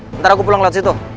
nanti aku pulang lewat situ